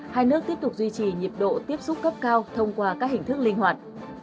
hai nước tiếp tục duy trì nhịp độ tiếp xúc cấp cao thông qua các hình thức linh hoạt